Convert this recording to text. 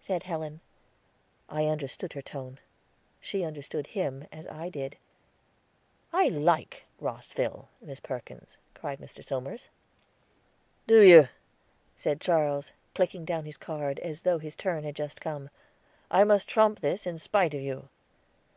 said Helen. I understood her tone; she understood him, as I did. "I like Rosville, Miss Perkins," cried Mr. Somers. "Do you?" said Charles, clicking down his card, as though his turn had just come. "I must trump this in spite of you."